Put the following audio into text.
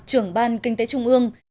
trưởng ban kinh tế trung ương